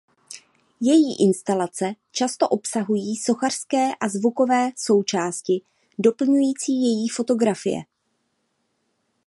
Její instalace často obsahují sochařské a zvukové součásti doplňující její fotografie.